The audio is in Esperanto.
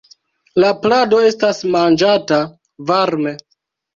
La plado estas manĝata varme.